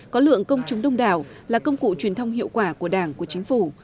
có lượng công chúng đông đảo là công cụ truyền thông hiệu quả của đảng của chính phủ